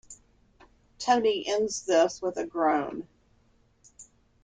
Tony ends this with a groan.